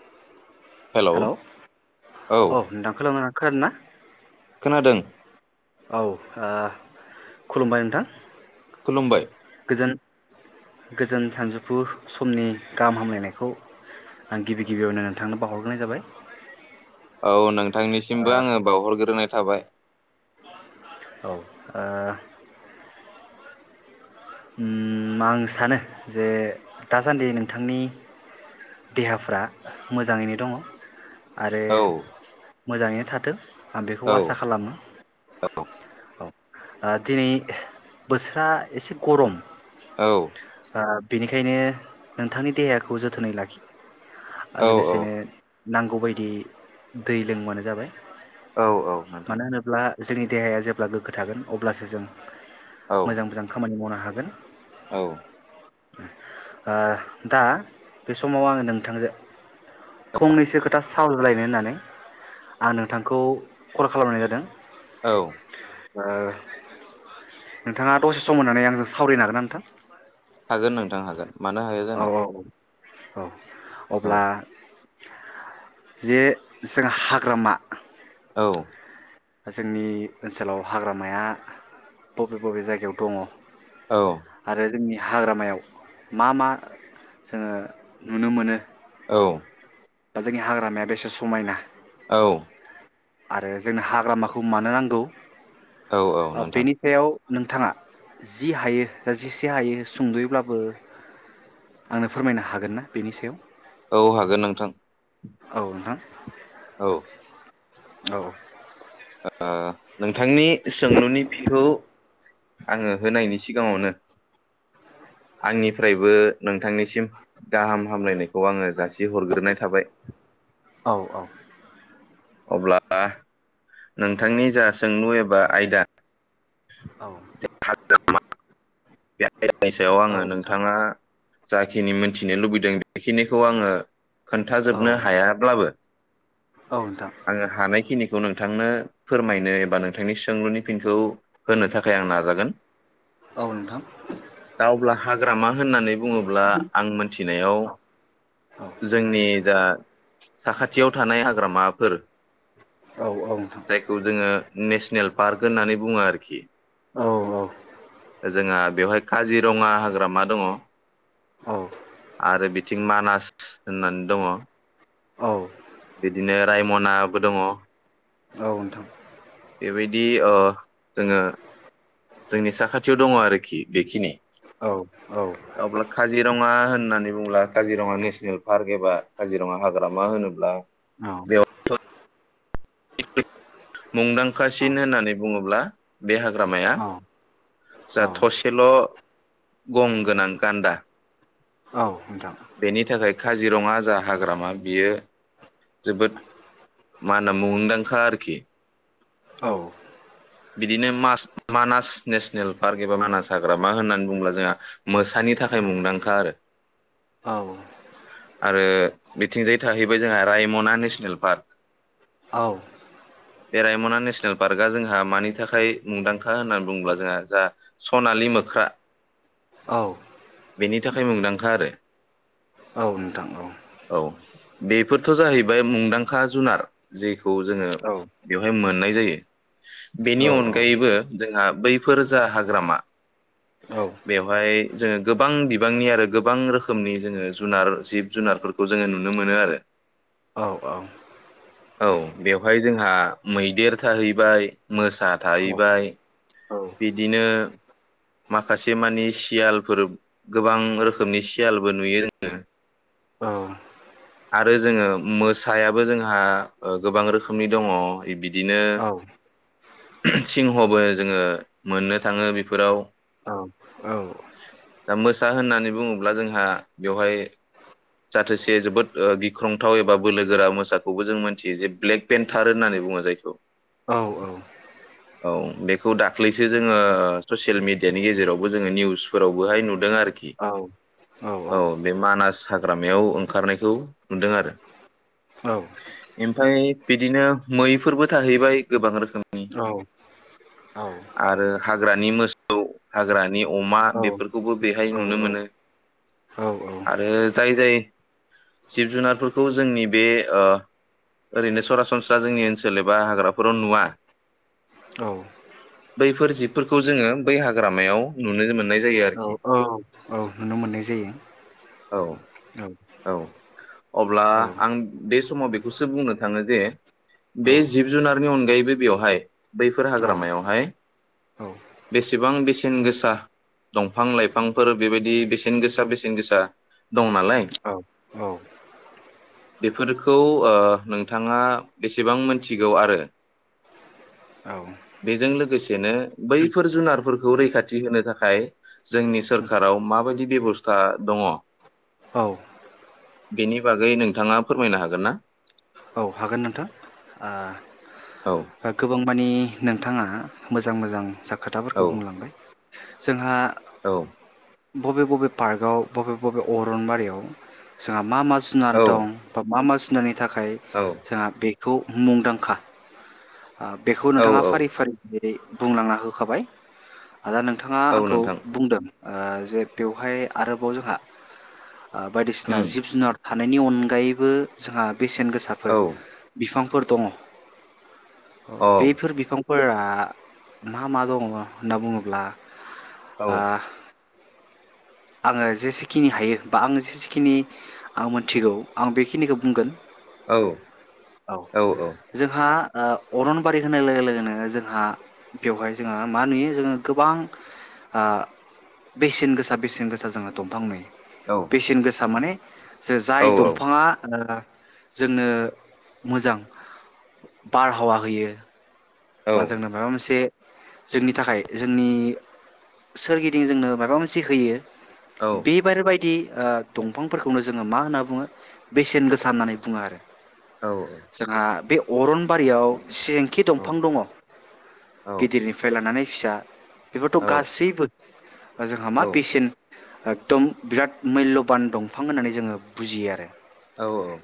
[inaudible] Hello औ नोंथां खोनादोंना? खोनादों ना? खोनादों। औ ओ खुलुमबाय नोंथां। खुलुमबाय। गोजोन गोजोन सानजौफु समनि गाहाम हामलायनायखौ आं गिबि गिबियावनो नोंथांनो बावहरग्रोनाय जाबाय। औ नोंथांनिसिमबो आङो बावहरग्रोनाय थाबाय। औ। ओ उम आं सानो जे दासान्दि नोंथांनि देहाफ्रा मोजाङैनो दङ आरो औ मोजाङैनो थाथों। आं बेखौ औ आसा खालामो। औ ओ दिनै बोथोरा एसे गर'म। औ। ओ बेनिखायनो नोंथांनि देहाखौ जोथोनै लाखि आरो औ लोगोसेनो नांगौबायदियै दै लोंबानो जाबाय। औ औ नोंथां। मानो होनोब्ला जोंनि देहाया जेब्ला गोग्गो थागोन अब्लासो जों औ मोजां मोजां खा खामानि मावनो हागोन। औ। ओ दा बे समाव आङो नोंथांजो फंनैसो खोथा सावरायलायनो होननानै आं नोंथांखौ कल खालामनाय जादों। औ। ओ नोंथाङा दसे सम होनानै आंजों सावरायनो हागोनना नोंथां? हागोन नोंथां हागोन मानो हाया औ जानो। औ औ। औ अब्ला जे जों हाग्रामा औ। जोंनि ओनसोलाव हाग्रामाया बबे बबे जायगायाव दङ? औ। आरो जोंनि हाग्रामायाव मा मा जोङो नुनो मोनो? औ। दा जोंनि हाग्रामाया बेसे समायना। औ। आरो जोंनो हाग्रामाखौ मानो नांगौ? औ औ नोंथां बेनि सायाव नोंथाङा जि हायो जेसे हायो सुंद'यैब्लाबो आंनो फोरमायनो हागोन ना बेनि सायाव। औ हागोन नोंथां। औ नोंथां। औ। औ। ओ नोंथांनि सोंलुनि फिनखौ आङो होनायनि सिगाङावनो आंनिफ्रायबो नोंथांनिसिम गाहाम हामलायनायखौ आङो जास जासि हरग्रोनाय थाबाय। औ औ अब्ला नोंथांनि जा सोंलु एबा आयदा औ। बेय आयदानि सायाव आङो नोंथां नोंथाङा जाखिनि मोनथिनो लुबैदों बेखिनिखौ आङो औ खोन्थाजोबनो नोंथां हायाब्लाबो औ नोंथां आङो हानायखिनिख खौ नोंथांनो फोरमायनो एबा नोंथांनि सोंलुनि फिनखौ होनो थाखाय आं नाजागोन। औ नोंथां। ग्रामा होननानै बुङोब्ला आं मोनथिनायाव जोंनि जा साखाथियाव थानाय हाग्रामाफोर जायखौ जोङो नेसनेल पार्क होननानै बुङो आरोखि। औ औ। जोंहा बेवहाय काजिरङा हाग्रामा दङ आरो बिथ थिं मानास होननान दङ। औ बिदिनो रायमनाबो दङ। औ नोंथां। बेबायदि ओ जोङो जोंनि साखाथियाव दङ आरोखि बेखिनि। अब्ला काजिरङा होन होननानै बुंब्ला काजिरङा नेसनेल पार्क एबा काजिरङा हाग्रामा होनोब्ला औ। बेयाव मुंदांखासिन औ होननानै बुङोब्ला बे हाग्रामाया औ जा औ थसेल' गं गोनां गान्दा औ। नोंथां बेनि थाखाय काजिरङा जा हाग्रामा बियो जोबोद मा होनो मुंदांखा आरोखि। औ। बिदिनो मास-मानास नेशनेल पार्क एबा मानास हाग्रामा होननानै बुङोब्ला जोंहा मोसानि थाखाय मुंदांखा आरो। औ। ओ बिथिंजाय थाहैबाय जोंहा रायमना नेसनेल पार्क। औ। बे रायमना नेसनेल पार्कआ जोंहा मानि थाखाय मुंदांखा होनना बुंब्ला जोंहा जा सनालि मोख्रा औ। बेनि थाखाय मुंदांखा आरो। औ नोंथां औ। बेफोरथ' जाहैबाय मुंदांखा जुनार जे खौ जोङो औ बेवहाय मोननाय जायो। औ बेनि अनगायैबो जोंहा बैफोर जा हाग्रामा औ बेवहाय जोङो गोबां बिबांनि आरो गोबां रोखोमनि जोङो जुनार जिब जुनारफोरखौ जोङो नुनो मोनो आरो। औ, बेवहाय जोंहा मैदेर थाहैबाय, मोसा थाहैबाय, बिदिनो माखासे मानि सियालफोर गोबां रोखोमनि सियालबो नुयो जोङो। आरो जोङो मोसायाबो जोंहा गोबां रोखोमनि दङ बिदिनो सिंहबो जोङो मोननो थाङो बेफोराव दा मोसा होननानै बुङोब्ला जोंहा बेवहाय जाथोसे जोबोद गिख्रंथाव एबा बोलो गोरा मोसाखौबो जों मोनथियो जे ब्लेक पेन्टार होननानै बुङो जायखौ। औ औ। औ बेखौ दाख्लैसो जोङो ससियेल मिडियानि गेजेरावबो जोङो निउसफोरावबोहाय नुदों आर औ औ बे मानास हाग्रामायाव ओंखारनायखौ नुदों आरो। ओमफाय बिदिनो मैफोरबो थाहैबाय गोबां रोखोमनि औ आरो हाग्रानि मोसौ, हाग्रानि अमा, औ बेफोरखौबो बेहाय नुनो मोनो आरो जाय जाय जिब जुनारफोरखौ जोंनि बे ओ ओरैनो सरासनस्रा जोंनि ओनसोल एबा हाग्राफोराव नुवा बैफोर जिबफोरखौ जोङो बै हाग्रामायाव नुनो मोननाय जायो आरखि। औ नुनो मोननाय जायो। औ, औ औ अब्ला औ आं बे समाव बेखौसो बुंनो थाङो जे औ बे जिब जुनारनि अनगायैबो बेवहाय बैफोर औ हाग्रामायावहाय बेसेबां बेसेन गोसा दंफां लाइफांफोर बेबायदि बेसेन गोसा, बेसेन गोसा दं नालाय, औ बेफोरखौ ओ नोंथाङा बेसेबां मोनथिगौ आरो औ बेजों लोगोसेनो बैफोर जुनारफोरखौ रैखाथि होनो थाखाय जोंनि सोरखाराव माबायदि बेब'स्था दङ औ बेनि बागै नोंथाङा फोरमायनो हागोन ना? औ हागोन नोंथां। औ गोबां मानि नोंथाङा मोजां मोजां सा औ खोथाफोरखौ बुंलांबाय। जोंहा औ बबे बबे पार्कआव बबे बबे अरनबारियाव जोंहा मा मा जुनार दं बा मा मा जु ‌ [unintelligible] थाखाय औ जोंहा बे खौ मुंदांखा खा बेखौ औ नोंथाङा औ फारि फारि [unintelligible] यै बुंलांना होखाबाय। आदा नोंथाङा औ आंखौ नोंथां बुंदों ओ जे बेवहाय आरोबाव जोंहा बायदिसिना उम जिब जुनार थानायनि अनगायैबो जोंहा बेसेन औ गोसाफोर बिफांफोर दङ। अ औ बेफोर बिफां फोरा मा मा दङ होनना बुङोब्ला औ ओ आङो जेसेखिनि हायो बा आङो जेसेखिनि आं मोनथिगौ आं बेखिनिखौ बुंगोन। औ औ जोंहा ओ अरनबारि होनाय लोगो लोगोनो जोंहा बेवहाय जोंहा मा नुयो जोङो गोबां ओ बेसेन गोसा बेसेन गोसा जोंहा दफां नुयो। बेसेन गोसा माने जे औ जाय दंफाङा ओ जोंनो मोजां बारहावा होयो। औ बा औ जोंनो मायबा मोनसे जोंनि थाखाय जोंनि सोरगिदिं जोंनो मायबा मोनसे होयो। बेबार बायदि ओ दंफांफोरखौनो जोङो मा होनना बुङो बेसेन गोसा होननानै बुङो आरो। जोंहा बे अरनबारियाव सिं दफां दङ गिदिरनिफ्राय लानानै फिसा बेफोरथ गासैबो ओ जोंहा मा बेसेन एकदम बिराद मुल्यबान दंफां होननानै जोङो बुजियो आरो। औ औ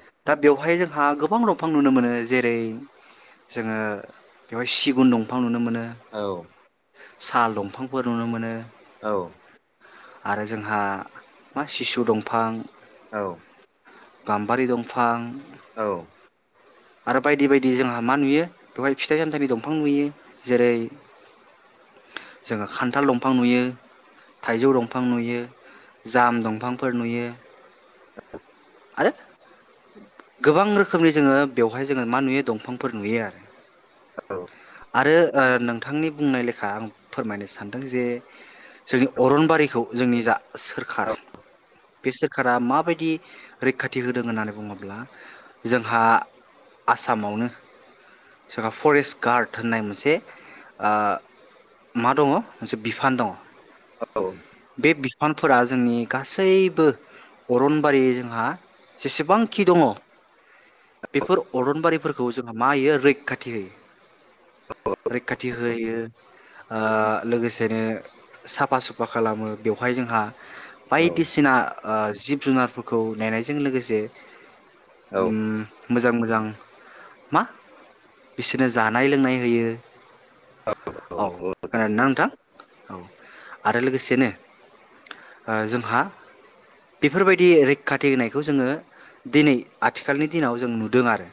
हाय जोंहा गोबां दंफां नुनो मोनो जेरै जोङो बेवहाय सिगुन दंफां नुनो मोनो। औ साल दंफांफोर नुनो मोनो। औ आरो जोंहा मा सिसु दंफां औ गाम्बारि दंफां औ आरो बायदि बायदि जोंहा मा नुयो बेवहाय फिथाइ सामथाइनि दंफां नुयो जेरै जोङो खान्थाल दंफां नुयो थाइजौ दंफां नुयो जाम दंफांफोर नुयो। [inaudible] आरो गोबां रोखोमनि जोङो बेवहाय जोङो मा नुयो दंफांफोर नुयो आरो। आरो ओ नोंथांनि बुंनाय लेखा आं फोरमायनो सानदों जे जोंनि अरनबारिखौ। जोंनि जा सोरखार बे सोरखारा माबायदि रैखाथि होदों होननानै बुङोब्ला जोंहा आसामावनो जोंहा फरेस्ट गार्ड होननाय मोनसे ओ मा दङ मोनसे बिफान दङ। औ। बे बिफानफोरा जोंनि गासैबो अरनबारि जोंहा जेसेबांखि दङ बेफोर अरनबारिफोरखौ जोंहा मा होयो रैखाथि होयो रैखाथि होयो लोगोसेनो साफा सुफा खालामो बेवहाय जोंहा बायदिसिना ओ जिब जुनारफोरखौ नेनायजों लोगोसे ओ मोजां मोजां मा बिसोरनो जानाय लोंनाय होयो। औ खानादों ना नोंथां। औ। आरो लोगोसेनो जोंहा बेफोरबायदि रैखाथि होनायखौ जोङो दिनै आथिखालनि दिनाव जों नुदों आरो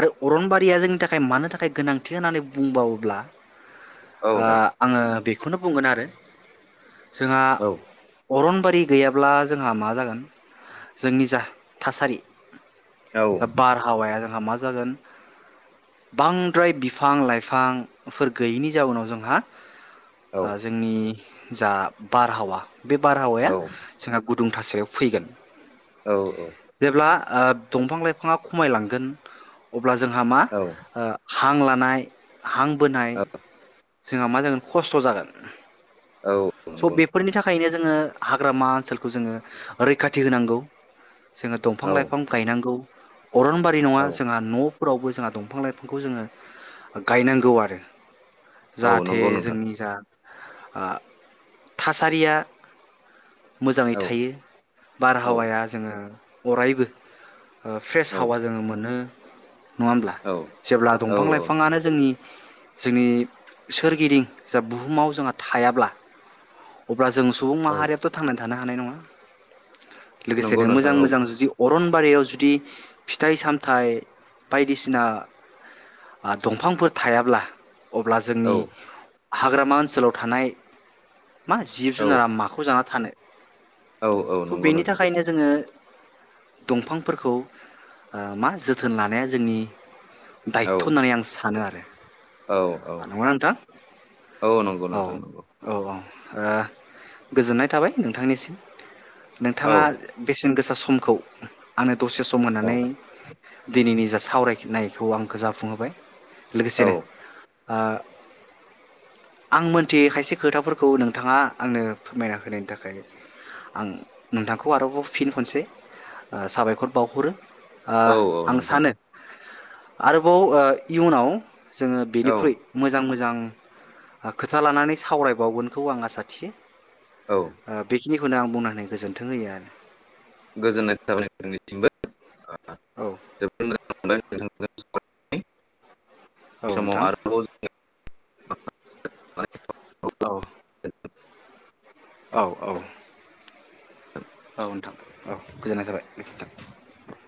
आरो अरनबारिया जोंनि थाखाय मानो थाखाय गोनांथि होननानै बुंबावोब्ला ओ आङो बे बेखौनो बुंगोन आरो। जोंहा अरनबारि दै गैयाब्ला जोंहा मा जागोन जोंनि जा थासारि दा बारहावाया जोंहा मा मा जागोन बांद्राय बिफां लाइफांफोर गैयैनि जाउनाव जोंहा जोंनि जा बारहावा बे बारहावाया जोंहा गुदुं थासारियाव फैगोन। औ औ। जेब्ला दंफां लाइफाङा खमायलांगोन अब्ला जोंहा मा ओ हां लानाय हांबोनाय जोंहा मा जागोन खस्थ‌ जागोन। स नंगौ बेफोरनि थाखाय नो जोङो हाग्रामा ओनसोलखौ जोङो रैखाथि होनांगौ। जोङो औ दंफां लाइफां गायनांगौ। अरनबारि नङा औ जोंहा न फोरावबो जोंहा दंफां लाइफांखौ जोङो गायनांगौ आरो औ जाहाथे नंगौ नोंथां जोंनि जा आ थासारिया मोजाङै औ थायो औ बारहावाया जोङो अरायबो ओ फ्रेस औ हावा जोङो मोनो नङा होमब्ला जेब्ला औ दंफां औ लाइफाङानो जोंनि जोंनि सोरगिदिं जा बुहुमाव जोंहा थायाब्ला अब्ला जों सुबुं औ माहारियाथ' थांनानै थानो हानाय नङा नंगौ लोगोसेनो मोजां नोंथां औ मोजां जुदि अरनबारियाव जुदि फिथाइ सामथाइ बायदिसिना आ दंफांफोर थायाब्ला अब्ला औ जोंनि हाग्रामा ओनसोलाव थानाय मा जिब औ जुनारा माखौ जाना थानो औ औ थ नंगौ बेनि नोंथां थाखायनो जोङो दंफांफोरखौ ओ मा जोथोन लानाया जोंनि औ दायथ' होननानै आं सानो आरो औ औ नंगौना नोंथां औ नंगौ नोंथां नंगौ औ औ ओ गोजोननाय थाबाय नोंथांनिसिम औ नोंथाङा बेसे न गोसा समखौ आंनो दसे सम औ होनानै दिनैनि जा सावरायनायखौ आंखौ जाफुंहोबाय औ लोगोसेनो आ आं मोनथियै खायसे खोथाफोर खौ नोंथाङा आंनो फोरमायना होनायनि थाखाय आं नोंथांखौ आरोबाव फिन खनसे साबायखर बावहरो आ औ औ आं नोंथां सानो आरोबाव ओ इयुनाव जोङो औ बेनिख्रुइ मोजां मोजां मोजां ओ खोथा लानानै सावरायबावगोन खौ आं आसा थियो औ ओ बे खिनिखौनो आं बुंनानै गोजोन्थों होयो आरो। गोजोननाय थाबाय नोंथांनिसिमबो [unintelligible] औ जोबोद मोजां मोनबाय नोंथांजों [unintelligible] [unintelligible] बे औ समाव नोंथां आरोबाव [unintelligible] [unintelligible] औ। औ औ। औ नोंथां औ गोजोननाय थाबाय। गोजोनथों।